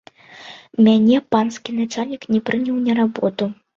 Мяне панскі начальнік не прыняў на работу.